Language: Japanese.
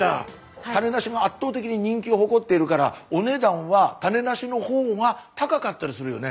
種なしが圧倒的に人気を誇っているからお値段は種なしの方が高かったりするよね。